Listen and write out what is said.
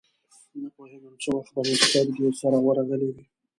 نپوهېږم څه وخت به مې سترګې سره ورغلې وې.